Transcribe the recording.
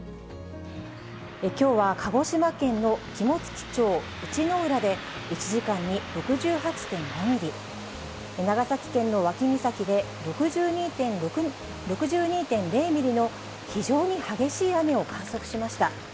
きょうは鹿児島県の肝付町内之浦で１時間に６８．５ミリ、長崎県の脇岬で６２．０ミリの非常に激しい雨を観測しました。